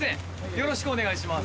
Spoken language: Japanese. よろしくお願いします